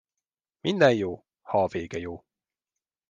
Minden jó, ha a vége jó.